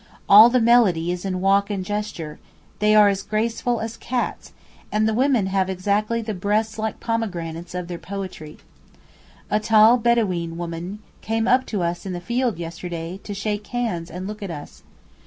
All the melody is in walk and gesture; they are as graceful as cats, and the women have exactly the 'breasts like pomegranates' of their poetry. A tall Bedaween woman came up to us in the field yesterday to shake hands and look at us.